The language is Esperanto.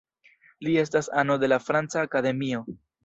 Li estas ano de la Franca Akademio.